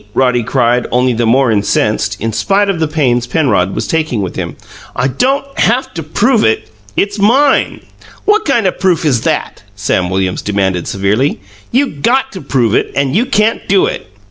Roddy cried, only the more incensed, in spite of the pains Penrod was taking with him. "I don't haf to prove it. It's MINE!" "What kind o' proof is that?" Sam Williams demanded severely. "You GOT to prove it and you can't do it!"